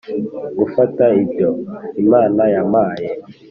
gufata ibyo imana yampaye